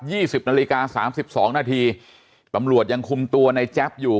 สิบนาฬิกาสามสิบสองนาทีตำรวจยังคุมตัวในแจ๊บอยู่